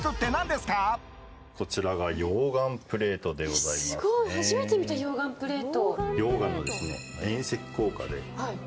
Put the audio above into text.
すごい、初めて見た溶岩プレート。